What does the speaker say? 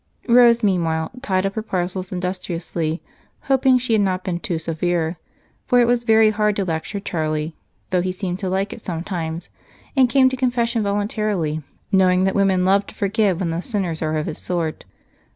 Rose, meanwhile, tied up her parcels industriously, hoping she had not been too severe, for it was very hard to lecture Charlie, though he seemed to like it sometimes and came to confession voluntarily, knowing that women love to forgive when the sinners are of his sort.